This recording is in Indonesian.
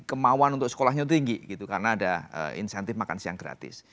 kemauan untuk sekolahnya tinggi gitu karena ada insentif makan siang gratis